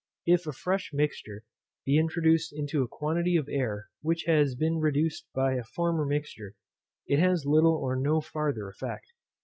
If a fresh mixture be introduced into a quantity of air which had been reduced by a former mixture, it has little or no farther effect.